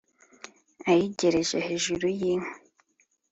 ayigereka hejuru y inkwi